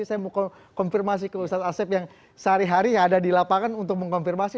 saya mau konfirmasi ke ustadz asep yang sehari hari ada di lapangan untuk mengkonfirmasi